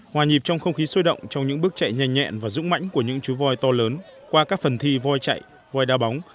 hòa nhịp trong không khí sôi động trong những bước chạy nhanh nhẹn và dũng mãnh của những chú voi to lớn qua các phần thi voi chạy voi đa bóng